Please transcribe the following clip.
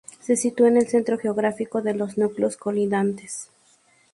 Se situó en el centro geográfico de los núcleos colindantes.